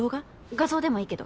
画像でもいいけど。